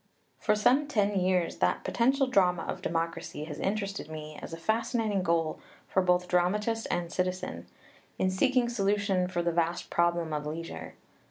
For some ten years that potential drama of democracy has interested me as a fascinating goal for both dramatist and citizen, in seeking solution for the vast problem of leisure.